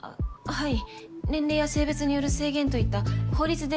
はい。